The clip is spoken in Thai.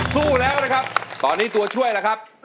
สู้แล้วนะครับตอนนี้ตัวช่วยล่ะครับ